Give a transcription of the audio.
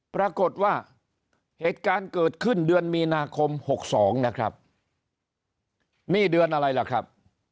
ปรากฏว่าเหตุการณ์เกิดขึ้นเดือนมีนาคม๖๒นะครับนี่เดือนอะไรล่ะครับ